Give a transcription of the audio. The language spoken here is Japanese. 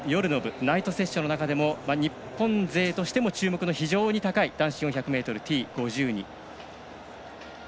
きょうの夜の部ナイトセッションの中でも日本勢としても注目の非常に高い男子４００ｍＴ５２。